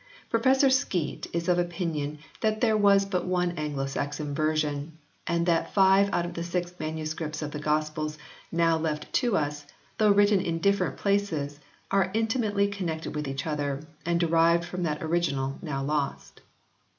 Professor Skeat is of opinion that there was but one Anglo Saxon version and that five out of the six MSS. of the Gospels now left to us, though written in different places, are intimately connected with each other, and derived from that original, now lost.